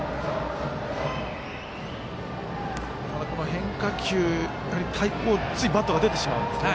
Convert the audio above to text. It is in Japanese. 変化球、ついバットが出てしまうんですね。